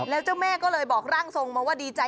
แล้วเจ้าแม่ก็เลยบอกร่างทรงมาว่าดีใจ